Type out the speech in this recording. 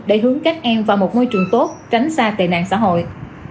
để hướng các em vào một môi trường tốt tránh xa tệ nạn xã hội